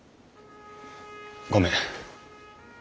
ごめん。